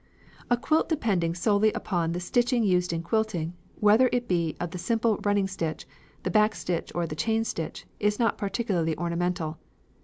A quilt depending solely upon the stitching used in quilting, whether it be of the simple running stitch, the back stitch, or the chain stitch, is not particularly ornamental.